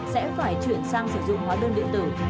sẽ phải chuyển sang sử dụng hóa đơn điện tử